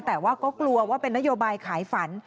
แต่ว่าก็กลัวว่าเป็นนโยบายขายฝัน